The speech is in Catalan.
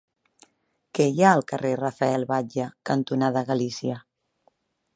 Què hi ha al carrer Rafael Batlle cantonada Galícia?